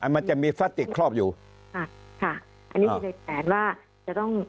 มันจะมีพลาสติกครอบอยู่ค่ะค่ะอันนี้คือในแผนว่าจะต้อง